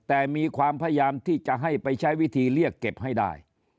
แต่มีความพยายามที่จะให้ไปใช้วิธีเรียกเก็บให้ได้